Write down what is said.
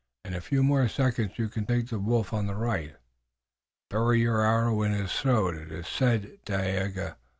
"In a few more seconds you can take the wolf on the right. Bury your arrow in his throat. It is as I said, Dagaeoga.